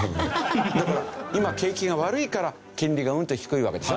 だから今景気が悪いから金利がうんと低いわけでしょ。